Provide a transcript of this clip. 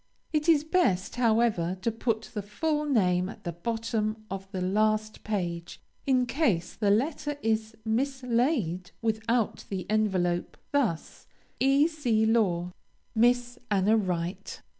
It is best, however, to put the full name at the bottom of the last page, in case the letter is mislaid without the envelope; thus E. C. LAW. MISS ANNA WRIGHT.